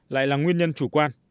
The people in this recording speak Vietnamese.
lại là nguyên nhân chủ quan